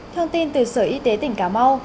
thông tin từ sở y tế tỉnh cà mau